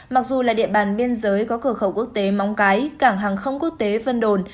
mặc dù là địa bàn biên giới có cửa khẩu quốc tế móng cái cảng hàng không quốc tế vân đồn